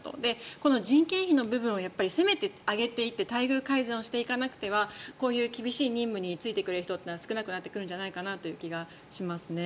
この人件費の部分をせめて上げていって待遇改善していかなくてはこういう厳しい任務に就いてくれる人は少なくなってくるんじゃないかなという気がしますね。